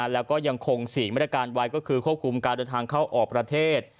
แล้วก็ยังคง๔มาตรการไว้ก็คือควบคุมการเดินทางเข้าออกประเทศ